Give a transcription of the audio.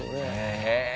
へえ！